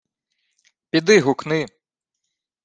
— Піди гукни.